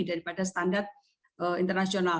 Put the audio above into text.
daripada standar internasional